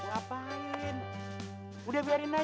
aku akan jemputmu ke rumah